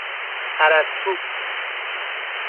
اَرسطو